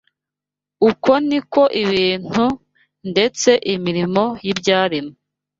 Uko ni ko ibintu ndetse n’imirimo y’ibyaremwe